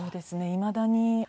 いまだに。